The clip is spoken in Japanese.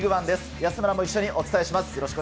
安村も一緒にお伝えします。